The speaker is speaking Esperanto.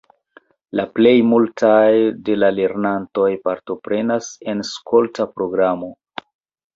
Plej multaj de la lernantoj partoprenas en skolta programo.